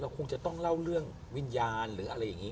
คงจะต้องเล่าเรื่องวิญญาณหรืออะไรอย่างนี้